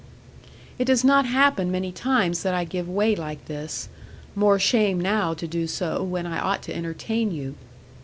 'It does not happen many times that I give way like this; more shame now to do so, when I ought to entertain you.